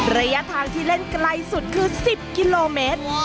ระยะทางที่เล่นไกลสุดคือ๑๐กิโลเมตร